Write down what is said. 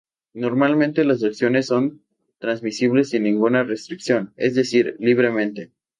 Normalmente las acciones son transmisibles sin ninguna restricción; es decir, libremente.